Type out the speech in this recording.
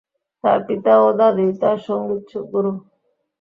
তার পিতা ও দাদী তাঁর সঙ্গীত গুরু।